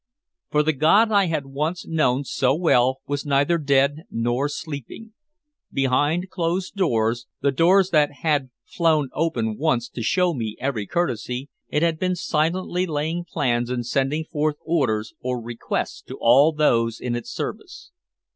For the god I had once known so well was neither dead nor sleeping. Behind closed doors, the doors that had flown open once to show me every courtesy, it had been silently laying plans and sending forth orders or "requests" to all those in its service.